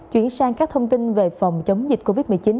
chuyển sang các thông tin về phòng chống dịch covid một mươi chín